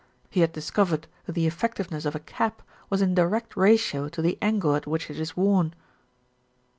He had discovered that the effectiveness of a cap was in direct ratio to the angle at which it is worn.